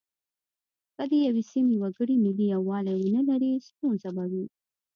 که د یوې سیمې وګړي ملي یووالی ونه لري ستونزه به وي.